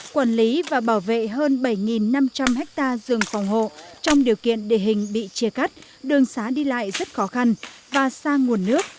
quản lý và bảo vệ hơn bảy năm trăm linh ha rừng phòng hộ trong điều kiện địa hình bị chia cắt đường xá đi lại rất khó khăn và xa nguồn nước